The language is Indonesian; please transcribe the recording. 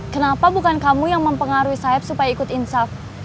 kenapa bukan kamu yang mempengaruhi saeb supaya ikut inshaaf